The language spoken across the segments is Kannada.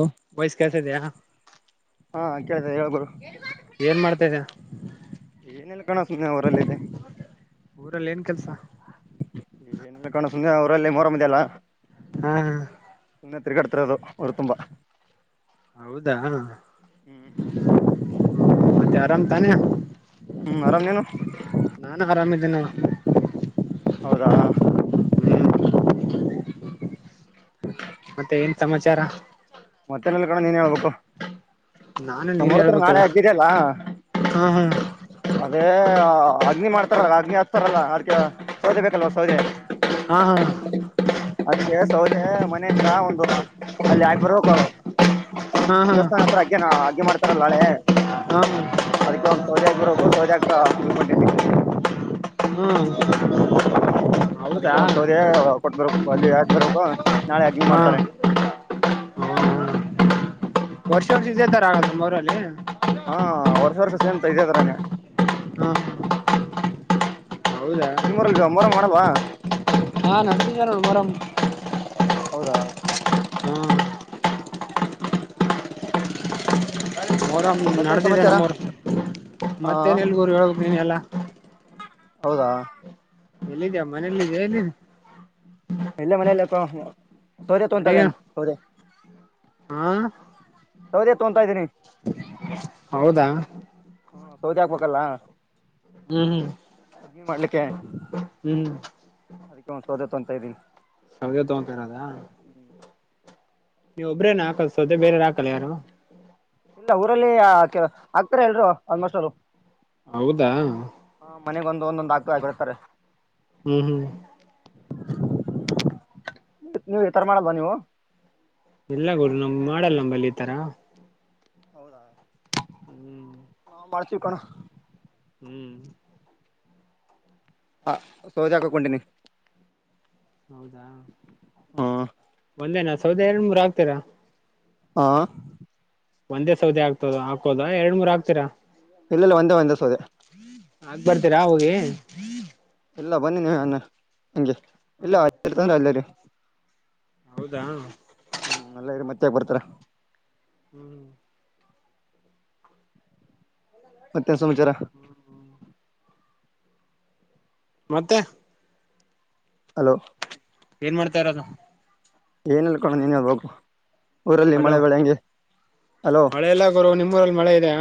ಹ ವಾಯ್ಸ್ ಕೇಳ್ತಾ ಇದೆಯಾ. ಹಾ ಕೇಳ್ತ ಹೇಳ್ಬೋರು. ಏನ್ ಮಾಡ್ತ ಇದೀಯಾ ಅಣ್ಣಾ. ಏನಿಲ್ಲ ಕಣೋ ಸುಮ್ನೆ ಊರಲಿದ್ದೆ. ಊರಲ್ಲಿ ಏನ್ ಕೆಲ್ಸ ಏನಲ್ಲ ಕಾಣ ಸುಂದ ಅವ್ರಲ್ಲೇ ಮೋರಮ್ಮದ ಅಲ್ಲ. ಹ್ಮ್ ಹ್ಮ. ತೀರ್ಗಾಡ್ತೀರೋದು ಊರ ತುಂಬಾ. ಹೌದಾ ಹ್ಮ್ ಮತ್ತೆ ಆರಾಮ್ ತಾನೆ. ಹ್ಮ್ ಆರಾಮ್ ನೀನು. ಇದನ್ನ. ಹೌದಾ. [inaudible] ಮತ್ತೆ ಏನ್ ಸಮಾಚಾರ. ಮತ್ತೆನಲ್ಲಿ ಕಣ ನೀನ್ ಹೇಳ್ಬೇಕು. ನಾನು ನೀನ್ ಹೇಳ್ಬೇಕಲ್ಲ [unintelligible] ಹಾ ಹಾ ಅದೇ ಅಗ್ನಿ ಮಾಡ್ತಾರಲ್ಲ ಅಗ್ನಿ ಹಾಕ್ತಾರಲ್ಲ ಆರ್ಕ ಸೌದೆ ಬೇಕಲ್ವಾ ಸೌದೆ. ಹಾ ಅದಕ್ಕೆ ಸೌದೆ ಮನೆ ಇಂದ ಒಂದು ಅಲ್ಲಿ ಆಗ್ಬರ ಅವ. ಹಾ ಹಾ ದೇವಸ್ಥಾನ ಹತ್ರ ಹಾಗಗ ಹಾಗಗ್ಗೆ ಮಾಡ್ತಾರಲ್ಲ ನಾಳೆ. [inaudible] ಸೌಜಿ ಆಗ್ಬರ ಒಬ್ರು ಸೌಜ ಆಗ್ತ ಅಲ್ಕೊೊಂಡೇನಿ. [inaudible] ಹೌದಾ ಅದಕ್ಕೆ ಒಂದ್ ಸೌದೆ ಕೊಟ್ಬರು ಅಲ್ಲಿ ಹಾಕ್ ಬರ್ು ನಾಳೆ ಆಗ್ಂಗ ಹಾ ಮಾಡ್ತಾರೆ. ವರ್ಷ ವರ್ಷ ಇದ್ದೇ ತಾರ ಆ ತುಂಬ ಅವರ ಅಲ್ಲಿ. ಹಾ ವರ್ಷ ವರ್ಷ ಸೇಂತ ಇದದಾರಾನ. ಹಾ ಹೌದಾ ನಿಮ್ಮೂರಲ್ಲಿ ಮೋರಂ ಮಾಡಲ್ವ. ಹಾ ನಡ್ದಿದೆ ನೋಡ್ ಮೊರಂ ಹೌದಾ. ಹ್ಮ್. ಹ್ಮ ಹಾ. ಹೋದ ಮತ್ತೇನ್ ನಡದಿದೆ ಸಮಾಚಾರ ನಮ್ಮೂರು ಹ ಮತ್ತೇನ್ ಇಲ್ಗೂರು ಹೇಳ ನೀನ್ ಎಲ್ಲ. ಹೌದಾ. ಎಲ್ಲ ಇದ್ಯಾ ಮನೇಲ್ಲ ಇದ ಎಲ್ಲಿ. ಎಲ್ಲ ಮನೆಯಲ್ಲ ಸೌದೆ ತೊಂತಾ ಇದೇನ ಸೌದೆ. ಹ. ಹೌದೇ ತೋಂತಾ ಇದ್ದೀನಿ. ಹೌದಾ. ಹ್ಮ ಸೌದಿ ಹಾಕ್ಬೇಕಲ್ಲ. ಹ್ಮ್ ಹ್ಮ್ ಮಾಡ್ಲಿಕ್ಕೆ ಹ್ಮ್ ಅದಕ್ಕೆ ಒಂದ ಸೌದೆ ತಕೊಂತೀನಿ ಸೌದೆ ತಕೊಂತೀರೋದ ನೀವ್ ಒಬ್ರೇನ ಹಾಕಲ್ಸೋದ ಬೇರೆಅವ್ರು ಹಾಕಲ್ಲ ಯಾರು ಇಲ್ಲ ಊರಲ್ಲಿ ಆಗ್ತಾರ ಎಲ್ರು ಆಲ್ಮೋಸ್ಟ್ ಅವರು ಹೌದಾ ಮನೆಗೊಂದು ಒಂದೊಂದು ಹಾಕ್ತ ಆಡ್ತಾರೆ ಹ್ಮ್ ಹ್ಮ್ ನೀವು ಈ ತರ ಮಾಡಲ್ವಾ ನೀವು ಎಲ್ಲ ಗುರು ನಮ್ ಮಾಡಲ್ಲ ನಂಬಲ್ಲಿ ಈ ತರ ಹೌದಾ ಹ್ಮ್ ನಾವ್ ಮಾಡ್ತೀವಿ ಕಣೋ ಹ್ಮ್ ಹಾ ಸೌದೆ ಹಾಕಕೊಂಟಿನಿ ಹೌದಾ ಹಾ ಒಂದೇನಾ ಸೌದೆ ಎರಡ್ ಮೂರ್ ಆಗ್ತೀರಾ ಹಾ ಒಂದೇ ಸೌದೆ ಆಗ್ತದ ಹಾಕೋದ ಎರಡ್ ಮೂರ್ ಆಗ್ತೀರಾ ಇಲ್ಲ ಇಲ್ಲ ಒಂದೆ ಒಂದೇ ಸೌದೆ ಹಾಕ್ ಬರ್ತೀರಾ ಹೋಗಿ ಇಲ್ಲ ಬನ್ನಿ ನೀ ಅನ್ನ ಹಗೆ ಹ್ಮ್ ಇಲ್ಲಂದ್ರೆ ಅಲ್ಲ ಹೌದಾ ಹ್ಮ್ ಇರಿ ಮತ್ತೆ ಯಾಕೆ ಬರ್ತೀರಾ ಹ್ಮ್ ಮತ್ತೇನ್ ಸಮಾಚಾರ ಹ್ಮ್ ಹ್ಮ್ ಮತ್ತೆ ಹಲೋ ಏನ್ ಮಾಡ್ತಾಇರದು ಏನಿಲ್ಲ ಕಣೋ ನೀನೇ ಹೇಳಬೇಕು ಹಲೋ ಹಲೋ ಮಳೆ ಎಲ್ಲ ಗುರು ನಿಮ್ಮೂರಲ್ಲಿ ಮಳೆ ಇದಿಯಾ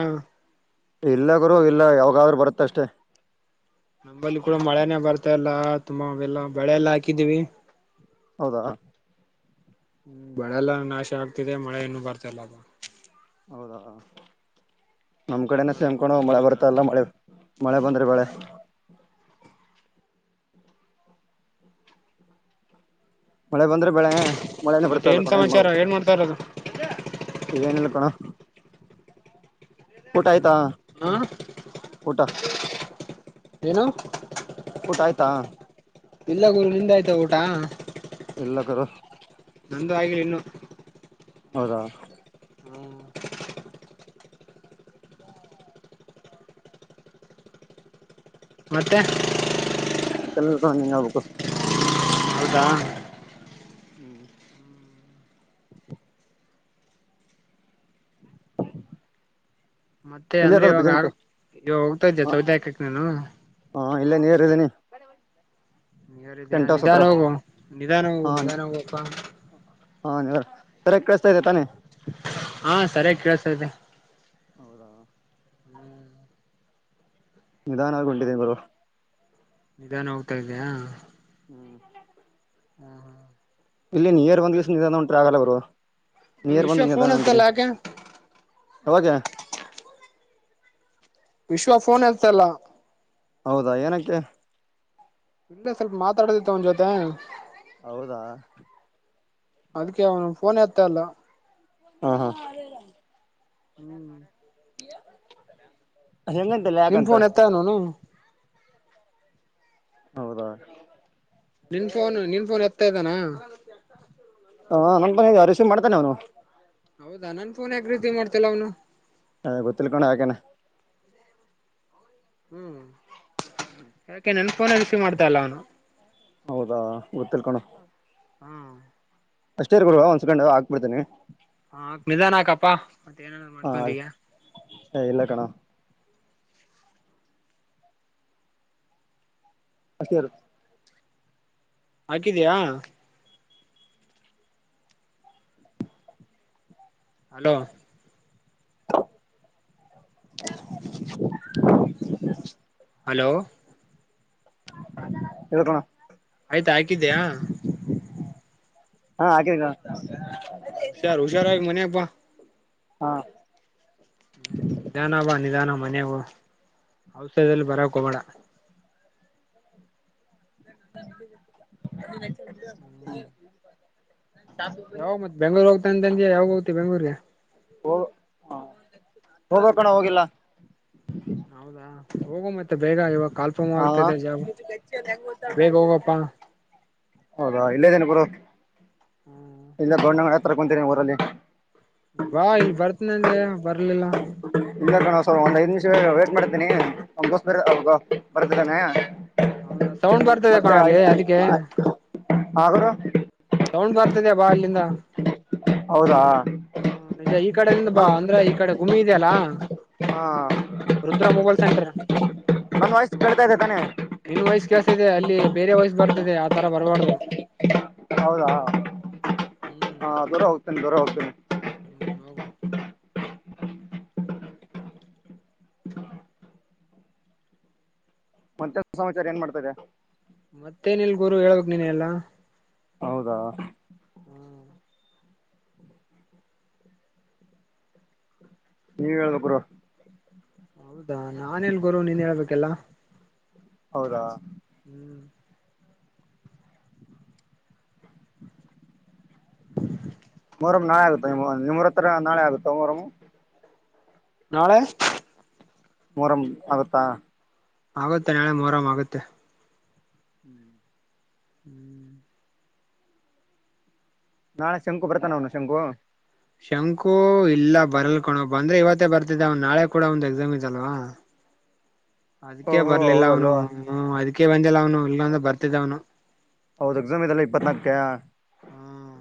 ಇಲ್ಲಗರು ಇಲ್ಲ ಯಾವಾಗಾದ್ರರು ಬರುತ್ತ ಅಷ್ಟೇ ನಂಬಲ್ಲಿ ಕೂಡ ಮಳೆನೇ ಬರ್ತಲ್ಲ ತುಂಬ ಎಲ್ಲಾ ಬೆಳೆ ಎಲ್ಲಾ ಹಾಕಿದೀವಿ ಹೌದಾ ಹ್ಮ ಬೆಳೆಲ್ಲನಾಶ ಆಗ್ತಿದೆ ಮಳೆ ಇನ್ನು ಬರ್ತಲ್ಲ ಅದು ಹೌದಲ್ಲ ನಮ್ ಏನ್ ಕಡೆನ ಸೇಮ್ ಮಾಡ್ಬೇಕು ಕಣೋ ಒಂದು ಮಳೆ ಬರ್ತ ಇಲ್ಲ ಗೊತ್ತಾಗ್ತಲ್ಲ ಮಳೆ ಮಳೆ ಬಂದ್ರೆ ಬೆಳೆ ಮಳೆ ಬಂದ್ರೆ ಬೆಳೆ ಮಳೆನೇ ಮತ್ತೆ ಬರ್ತಾ ಇಲ್ಲ ಏನ್ ಕಣೋ ಸಮಾಚಾರ ಮಾಡ್ಬೇಕು ಏನ್ ಮಾಡ್ತ ಇರೋದು ಏನಿಲ್ಲ ಕಣೋ ಊಟ ಆಯ್ತಾ ಹಾ ಊಟ ಏನು ಊಟ ಆಯ್ತಾ ಇಲ್ಲಗುರು ನಿಂದ ಆಯ್ತ ಊಟ ಎಲ್ಲ ಕಡೆ ನಂದು ಆಗಿಲಿ ಇನ್ನು ಹೌದಾ ಮತ್ತೆ ಮತ್ತೆ ನೀನೇ ಹೇಳಬೇಕು ಹೌದ ಹ್ಮ್ [unintelligible] ಮತ್ತೆ ಎಲ್ಲಿ ಅಂದ್ರೆ ಇರೋದು ಇವಾಗ ಆ ಪ್ರೆಸೆಂಟ್ ಇವಾಗ ಹೋಗ್ತಾ ಇದೆಯ ಸೌದೆ ಅಕೋಕೆ ನೀನು ಇಲ್ಲ ನೀರಯಿದಿನಿ ನಿಯರ್ ಇದೀವಿ ನಿಧಾನ ಹೋಗು ನಿಧಾನ ಹೋಗ ಹಾ ನಿಧಾನ ಹೋಗಪ್ಪಾ. ಸರಾಗಿ ಕಳಿಸತಾ ಇದೆ ತಾನೇ, ಹಾ ಸರಿಯಾಗಿ ಕೇಳ್ಸ್ತಾದೆ. ಹೌದ. ನಿಧಾನ ಆಗ್ ಹೊಂಟಿದ್ದೀನಿ ಗುರು. ನಿಧಾನ ಹೋಗ್ತಾ ಇದಿಯಾ. [inaudible] ಹಾ, ಹಾ ಇಲ್ಲಿ ನೀಯರ್ ಬಂದ ನೀ ಉಂಟ್ರ ಆಗಲ್ಲ ಅವರು. ಅವನು ನಿಯರ್ ಬಂದು ವಿಶ್ವ ಫೋನ್ ನಿಧಾನ್ ಹಚ್ಚಲ್ಲ ಹೊಂಟಿದೀನಿ. ಯಾಕೆ ಯಾವಾಗೆ ವಿಶ್ವ ಫೋನ್ ಹಳ್ತಲ್ಲ. ಹೌದಾ ಏನಕ್ಕೆ. ಇಲ್ಲೆ ಸ್ವಲ್ಪ ಮಾತಾಡೋದತ್ತು ಅವನ್ ಜೊತೆ. ಹೌದಾ, ಅದಕ್ಕೆ ಅವನು ಫೋನ್ ಎತ್ತ ಇಲ್ಲ. ಹಾ, ಹಾ ಹ್ಮ್. [unintelligible] ನಿನ್ ಯಾಕಂತ ಫೋನ್ ಎತ್ತ ಅವನು ಹೌದಾ, ನಿನ್ ಫೋನ್ ನಿನ್ ಫೋನ್ ಎತ್ತ ಇದ್ದಾನ. ಹ [unintelligible] ರೆಸಿವ್ ಮಾಡ್ತಾನೆ ಅವನು ಹೌದಾ ನನ್ ಫೋನ್ ಯಾಕ ರಿಸೀವ್ ಮಾಡ್ತಲ್ಲ ಅವ್ನು. ಹಗೊತಿಲ್ಲ ಕಣೋ ಯಾಕ್ ಏನ್. ಹ್ಮ್ ಯಾಕೆ ನನ್ ಫೋನೇ ರಿಸೀವ್ ಮಾಡ್ತಲ್ಲ ಅವನು. ಹೌದಾ ಗೊತ್ತಿಲ್ಲ ಕಣೋ. ಹಾ, ಅಷ್ಟೇ ಇರ್ ಗುರು ಒಂದ್ ಸೆಕೆಂಡ್ ಹಾಕ್ ಬಿಡ್ತನಿ. ಹಾ ನಿಧಾನ ಆಕಪ್ಪಾ ಮತ್ತೆ ಏನ್ ಅನ್ ಹಾ ಮಾಡ್ಕೊಂತೀಯ. ಇಲ್ಲ ಕಣೋ [unintelligible] ಹಾಕಿದಿಯಾ, ಹಲೋ, [unintelligible] ಹಲೋ, [unintelligible] ಆಯ್ತಾ ಹಾಕಿದಿಯ. ಹಾ ಹಾಕಿದಿನಿ [unintelligible] ಹುಷಾರ್ ಹುಷಾರಾಗಿ ಮನೆಗ್ ಬಾ. ಹಾ, ಹ್ಮ್ ನಿಧಾನ ಬಾ ನಿಧಾನ ಮನೆಗ ಔಷದಲ್ಲಿ ಬರಕ್ ಹೋಗ್ಬೇಡ. [unintelligible] ಯಾವಾಗ ಮತ್ ಬೆಂಗ್ಳೂರ್ ಹೋಗ್ತ ಅಂತಂದಿ ಯಾವಾಗ ಹೋಗತಿ ಬೆಂಗಳೂರ್ಗಿ. ಹೋಗ ಹ ಹೋಗಬೇಕಣ ಹೋಗಿಲ್ಲ. ಹೌದಾ ಹೋಗೋ ಮತ್ತೆ ಬೇಗ ಇವಾಗ. ಕಲ್ಪಮ ಹಾ ಆಗ್ತದೆ ಜಾಬ್ ಬೇಗ ಹೋಗಪ್ಪ. ಹೌದಾ ಇಲ್ಲೇದೇನಿ ಗುರು. ಹ್ಮ, ಇಲ್ಲ ಗೌಣ ತರಕೊಂತೀರಿ ಕುಂತೀನಿ ಊರಲ್ಲಿ. ಬಾ ಇಲ್ಲಿ ಬರ್ತನಂದಿ ಏನ್ ಬರ್ಲಿಲ್ಲ. ಇಲ್ಲ ಕಣೊ ಒಂದ್ ಐದ ನಿಮಿಷ ವೇಟ್ ಮಾಡ್ತೇನಿ ನಮ್ಮ ದೋಸ್ತ ಬ ಬರ್ತದಾನೆ. ಹೌದಾ ಸೌಂಡ್ ಬರ್ತದೆ ಕಣೊ ಅಲ್ಲಿ ಅದಕ್ಕೆ. ಹಾ ಗುರು ಸೌಂಡ್ ಬರ್ತದೆ ಬಾ ಅಲ್ಲಿಂದ ಹೌದಾ ಹ್ಮ ನಿಜ ಈ ಕಡಿಂದ ಬಾ ನನ್ ಅಂದ್ರೆ ಈ ಕಡೆ ಗೂಮಿ ಇದೆಯಲ್ಲಾ ಹಾ ರುದ್ರಾ ಮೊಬೈಲ್ ಸೆಂಟರ್ ನನ್ ವಾಯ್ಸ್ ಕೇಳ್ತಾ ಇದೆ ತಾನೆ ನಿನ್ ವಯಸ ಕೇಳಸ್ತಿದೆ ಅಲ್ಲಿ ಬೇರೆ ವಯಸ್ ಬರ್ತಿದೆ ಆತರ ಬರಬಾರ್ದು ಹೌದಾ ಹಾ ದೂರ ಹೋಗ್ತೇನೆ ದೂರ ಹೋಗ್ತೇನೆ ಹ್ಮ್ ಹೋಗು ಮತ್ತೆ ಏನ್ ಸಮಾಚಾರ ಏನ್ ಮಾಡ್ತದೆ ಮತ್ತೇನಲ್ ಗುರು ಹೇಳ್ಬಕ್ ನೀನೆ ಎಲ್ಲಾ ಹೌದಾ ಹ್ಮ್ [inaudible] ನೀವ್ ಹೇಳ್ಬೇಕ ಗುರು ಹೌದಾ ನಾನ ಎನ ಗುರು ನೀನ್ ಹೇಳ್ಬೇಕಲ್ಲ ಹೌದಾ ಹ್ಮ್ [inaudible] ಮೊರಂ ನಾಳೆ ಆಗುತ್ತೆ ನಿಮೂರ ಹತ್ರ ನಾಳೆ ಆಗುತ್ತೆ ಮರಮ ನಾಳೆ ಮೊರಂ ಆಗತ್ತಾ ಆಗುತ್ತೆ ನಾಳೆ ಮೋರಾಮ್ ಆಗುತ್ತೆ ಹ್ಮ್ ಹ್ಮ್ ನಾಳೆ ಶಂಕು ಬರ್ತಾನ ಅವನು ಶಂಕು ಶಂಕು ಇಲ್ಲ ಬರಲ್ಕಣ ಬಂದ್ರೆ ಇವತ್ತೇ ಬರ್ತಿದ್ದ ಅವನ್ ನಾಳೆ ಕೂಡ ಒಂದ್ ಎಕ್ಸಾಮ್ ಇದೆಲ್ವಾ ಅದಕ್ಕೆೇ ಓಹೋ ಬರ್ಲಿಲ್ಲ ಅವನು ಹೌದಲ್ವಾ ಅದಕ್ಕೆ ಬಂದ ಹೌದು ಎಕ್ಸಮ್ ಇದೆಲ್ಲ ಇಪ್ಪತ್ನಾಕ ಹ್ಮ್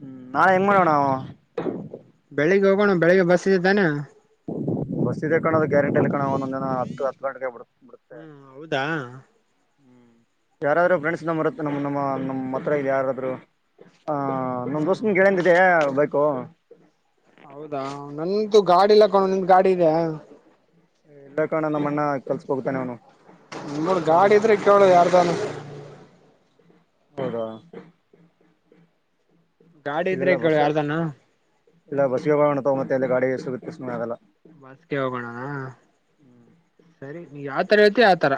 ಹ್ಮ್ ನಾಳೆ ಎಂಗಮಾಡಣಾವ ಬೆಳಿಗ್ಗೆ ಹೋಗೋಣ ಬೆಳಿಗ್ಗೆ ಬಸ್ಇದೆ ತಾನೆ ಬಸ್ ಇದೆ ಕಣೋ ಗ್ಯಾರಂಟಿಇಲ್ಲ ಕಣೊ ಒಂದೊಂದ್ ದಿನ ಹತ್ತು ಹತ್ತು ಗಂಟೆಗೆ ಬಿ ಬಿಡತ್ತೆ ಹ್ಮ್ ಹೌದಾ ಹ್ಮ್ ಯಾರಾದರೂ ಫ್ರೆಂಡ್ಸ್ನ ಬರುತ್ ನಮ್ಮ್ ನಮ್ಮ ನಮ್ಮ್ ಹತ್ರ ಇಲ್ಲಿ ಯಾರಾದ್ರು ಹ ನಮ ದೋಸ್ ಗೆಳೆಯಂದಿದೆ ಬೈಕು ಹೌದಾ ನಂದು ಗಾಡಿಲ್ಲ ಕಣೊ ನಿಂದು ಗಾಡಿ ಇದೆ ಇಲ್ಲಾ ಕಾಣೊ ನಮ್ಮ ಅಣ್ಣ ಕಲ್ಸ ಹೋಗ್ತಾನೆ ಅವನು ನಿಮ್ಮೋರ ಗಾಡಿ ಇದ್ರೆ ಕೇಳ ಯಾರ್ದಾನು ಹೌದಾ ಗಾಡಿ ಇದ್ರೆ ಇಲ್ಲೆಲ್ಲ ಕೇಳ್ ಬಸ್ ಯಾರ್ದಾನ ಇಲ್ಲ ಬಸ್ಸಗೆೋಗಣಾವ ಮತ್ತೆ ಎಲ್ಲಿ ಗಾಡಿ ಸಿಗುತ್ತ ಸುಮ್ ಆಗಲ್ಲ ಬಸ್ಗೆ ಹೋಗೋಣ ಸರಿ ನೀ ಯಾವತರ ಹೇಳ್ತಿ ಆತರ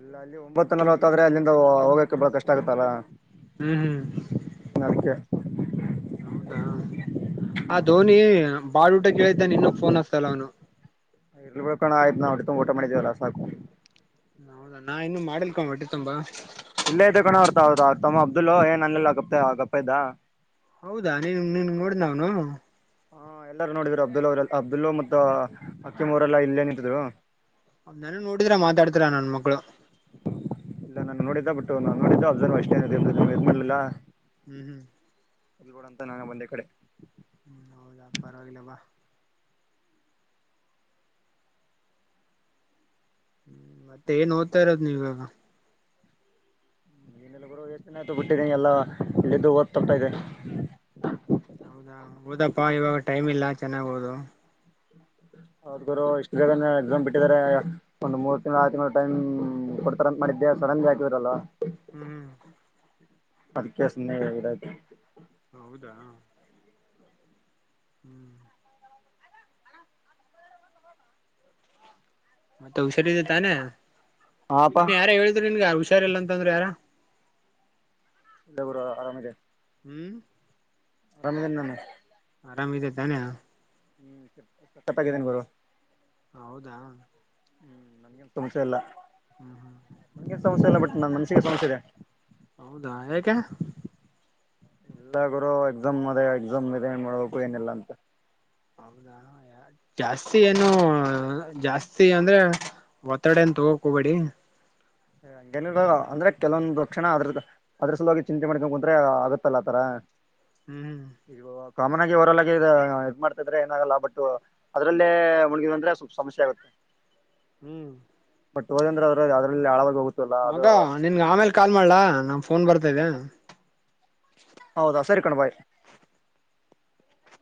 ಇಲ್ಲ ಅಲ್ಲಿ ಒಂಬತ್ತುನ ನೋತಾದ್ರೆ ಅಲ್ಲಿಂದ ಹೋಗಕ್ಕೆ ಬಾಳ ಕಷ್ಟ ಆಗತಾರ ಹ್ಮ್ ಹ್ಮ್ ಹೌದಾ ಆ ಧೋನಿ ಬಾಳ್ ಊಟ ಕೇಳಿದ್ದ ಇನ್ನ ಫೋನ್ ಅಚ್ಚತಿಲ್ಲ ಅವನು ಇರ್ಲ್ ಬಿಳ್ಕಣ ಆಯ್ತ ನಾವುಇಬ್ರು ಊಟ ಮಾಡಿದೇವಲ್ಲ ಸಾಕು ಹೌದಾ ನಾ ಇನ್ನುೂ ಮಾಡಿಲ್ಕೊ್ಬಟ್ಟ ತುಂಬಾ ಇಲ್ಲೇ ಇ ಕಣೋ ಬರ್ತ ಅವ ತಮ್ಮ ಅಬ್ದುಲ್ ಏನ್ ಅನ್ನಿಲ್ಲ ಗಪ್ತ ಆ ಗಪ್ಪ ಇದ್ದ ಹೌದಾ ನೀನ್ ನೀನ್ ನೋಡ ನಾವನು ಹಾ ಎಲ್ಲಾರು ನೋಡಿದ್ರು ಅಬ್ದುಲ್ಲ ಅವರೆಲ್ಲ ಅಬ್ದುಲ್ಲ ಮತ್ತ ಅಕ್ಕಿಂ ಅವರೆಲ್ಲ ಇಲ್ಲೇ ನಿಂತಿದ್ರು ನಾನು ನೋಡಿದ್ರ ಮಾತಾಡ್ತೀರ ನನ್ ಮಕ್ಳು ಇಲ್ಲ ನಾನು ನೋಡಿದ್ದ ಬಿಟ್ಟು ನಾನ್ ನೋಡಿದ್ದ ಅಬ್ರ್ ಅಷ್ಟೇ ಇದ ಮಾಡ್ಲಿಲ್ಲ ಹ್ಮ್ ಹ್ಮ್ ಅಲ್ಗೋಡ ಅಂತ ನಾನ ಬಂದೆ ಈ ಕಡೆ ಹ್ಮ್ ಹೌದಾ ಪರವಾಗಿಲ್ಲವಾ ಹ್ಮ್ ಮತ್ತೆ ಏನ್ ಓದ್ತಾ ಇರೋದ್ ನೀವ ಇವಾಗ ಗುರು ಎಷ್ಟನೆ ಆಯ್ತು ಬಿಟ್ಟಿದ್ದಿ ಎಲ್ಲಾ ಎದ್ದು ಓದ್ ತದೆ ಹೌದಾ ಹೌದಪ್ಪಾ ಇವಾಗ ಟೈಮ್ ಇಲ್ಲ ಚೆನ್ನಾಗ್ ಹದು ಹದರು ಇಷ್ಟ ಎಕ್ಸಾಮ್ ಬಿಟ್ಟಿದ್ದಾರೆ ಒಂದ್ ಮೂರ್ ತಿಂಗಳು ಆ ತಿಂಗಳು ಟೈಮ್ ಕೊಡ್ತಾರ ಮಾಡಿದ್ದೆ ಸಡನ್ಗೆ ಆಗಿದರಲ್ಲ ಹ್ಮ್ ಅದಕಸ ನಯ್ತು ಹೌದಾ ಹ್ಮ್ ಮತ್ತೆ ಹುಷಾರಿದೆ ತಾನೆ ಹಾಪ ಮನ್ನೆ ಯಾರ ಹೇಳಿದ್ರು ನಿನ್ಗೆ ಹಷ ಉಷರ್ ಇಲ್ಲ ಅಂತಂದ್ರೆ ಯಾರ ಇಲ್ಲ ಬ್ರೋ ಆರಾಮದೆ ಹ್ಮಞ ರಮದ ನಮ ಆರಾಮಿದೆ ತಾನೆ ಹ್ಮ್ ಸ ಹ್ಮ್ ಹೌದಾ ಹ್ಮ್ ನನ್ಗನ್ ಸಮಸ್ಯೆ ಇಲ್ಲ ಹ್ಮ್ ಹ್ಮ್ ನನ್ಗೇನ್ ಸಮಸ್ಯೆ ಇಲ್ಲ ಬಟ್ ನನ್ ಮನ್ಸಿಗೆ ಸಮಸ್ಯೆ ಇದೆ ಹೌದಾ ಯಾಕೆ ಎಲ್ಲ ಗುರು ಎಕ್ಸಾಮ್ ಅದ ಎಕ್ಸಾಮ್ ಮ ಏನ್ ಮಾಡ್ಬೇಕು ಏನಿಲ್ಲ ಅಂತ ಹೌದಾ ಜಾಸ್ತಿ ಏನು ಜಾಸ್ತಿ ಅಂದ್ರೆ ಒತ್ತಡೆ ಎಂತು ಹೋಗಕ್ ಹಬೇಡಿ ನ ಅಂದ್ರೆ ಕೆಲವೊಂದು್ ಕ್ಷಣ ಅದ್ರ ಅದರ್ಸದೋಗ ಚಿಂತೆ ಮಾಡ್ಕೊಂಡ ಕುಂದ್ರೆ ಆಗತ್ತಲ್ಲ ಆತರ ಹ್ಮ್ ಈಗ ಕಾಮನ್ ಆಗಿ ಅವರಲ್ಲಾಗಿ ಇದ್ ಮಾಡ್ತಿದ್ರೆ ಏನಾಗಲ್ಲ ಬಟ್ ಅದ್ರಲ್ಲೇ ಮುಣುಗಿದ್ ಅಂದ್ರೆ ಸ್ವಲ್ಪ ಸಮಸ್ಯೆ ಆಗುತ್ತೆ ಹ್ಮ್ ಬಟ್ಟ ಹೋದಂದ್ರೆದ್ರಲ್ಲಿ ಮಗ ನಿನ್ಗೆ ಆಮೇಲ್ ಕಾಲ್ ಮಾಡ್ಲಾ ನಮ ಫೋನ್ ಬರ್ತದೆ ಹೌದಾ ಸರಿ ಕಣು ಬಾಯ್ [inaudible]